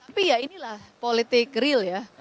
tapi ya inilah politik real ya